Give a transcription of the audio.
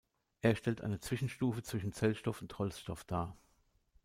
Er stellt eine Zwischenstufe zwischen Zellstoff und Holzstoff dar.